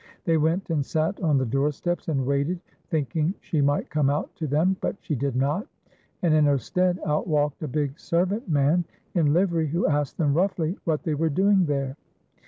They went and sat on the door steps, and waited, thinking she might come out to them, but she did not, and in her stead out walked a big servant man in livery, who asked them roughly what they were doing there.